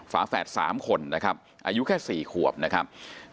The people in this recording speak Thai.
ฝาแฝด๓คนนะครับอายุแค่๔ขวบนะครับ